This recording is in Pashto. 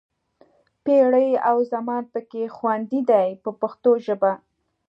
پېړۍ او زمان پکې خوندي دي په پښتو ژبه.